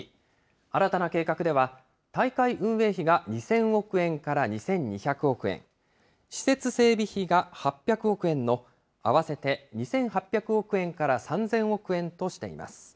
新たな計画では、大会運営費が２０００億円から２２００億円、施設整備費が８００億円の合わせて２８００億円から３０００億円としています。